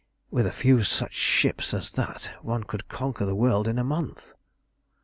With a few such ships as that one could conquer the world in a month!"